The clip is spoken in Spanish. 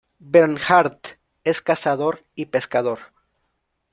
Bernhardt es cazador y pescador.